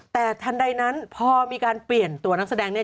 แต่ทันใดนั้นพอมีการเปลี่ยนตัวนักแสดงเนี่ย